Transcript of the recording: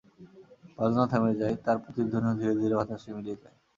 বাজনা থেমে যায়, তার প্রতিধ্বনিও ধীরে ধীরে বাতাসে মিলিয়ে যায়।